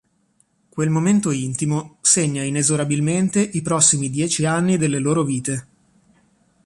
Quel momento intimo segna inesorabilmente i prossimi dieci anni delle loro vite.